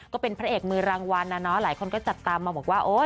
ก็เป็นพระเอกมือรางวัลนะเนาะหลายคนก็จับตามมาบอกว่าโอ๊ย